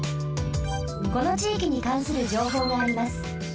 このちいきにかんするじょうほうがあります。